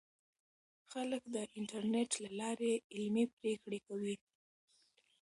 خلک د انټرنیټ له لارې علمي پریکړې کوي.